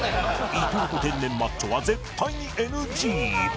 伊藤と天然マッチョは絶対に ＮＧ